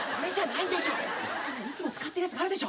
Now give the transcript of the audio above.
いつも使ってるやつがあるでしょ。